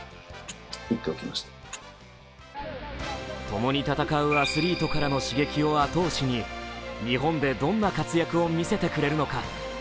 ともに戦うアスリートからの刺激を後押しに日本でどんな活躍を見せてくれるのか。